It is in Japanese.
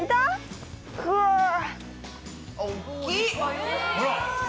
おっきい！